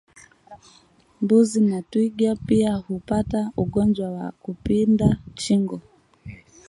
Mbuzi na twiga pia hupata ugonjwa wa kupinda shingo